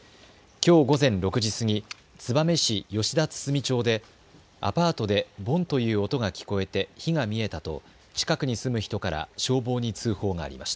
きょう午前６時過ぎ、燕市吉田堤町でアパートでボンという音が聞こえて火が見えたと近くに住む人から消防に通報がありました。